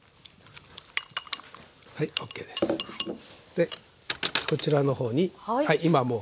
でこちらの方に今もう。